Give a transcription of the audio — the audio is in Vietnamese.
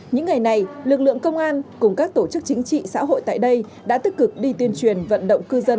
những ngày này lực lượng công an cùng các tổ chức chính trị xã hội tại đây đã tích cực đi tuyên truyền vận động cư dân